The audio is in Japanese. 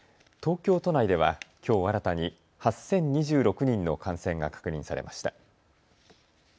東京都内ではきょう新たに８０２６人の感染が確認されました。